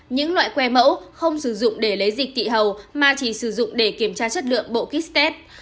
những loại que mẫu không sử dụng để lấy dịch tỵ hầu mà chỉ sử dụng để kiểm tra chất lượng bộ kit test